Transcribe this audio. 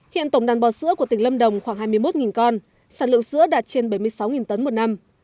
hiện tổng đàn bò sữa của tỉnh lâm đồng khoảng hai mươi một con sản lượng sữa đạt trên bảy mươi sáu tấn một năm